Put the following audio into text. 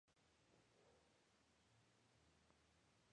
Tiene un pico negro largo y curvado hacia abajo.